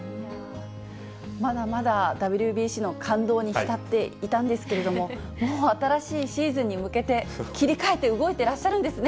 まだまだＷＢＣの感動に浸っていたんですけれども、もう新しいシーズンに向けて切り替えて動いてらっしゃるんですね。